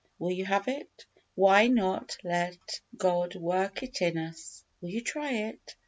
Will you have it? Why not let God work it in us? Will you try it?